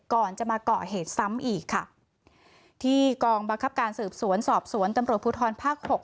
ก่อนจะมาเกาะเหตุซ้ำอีกค่ะที่กองบังคับการสืบสวนสอบสวนตำรวจภูทรภาคหก